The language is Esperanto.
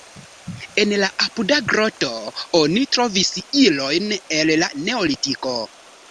En la apuda groto oni trovis ilojn el la neolitiko.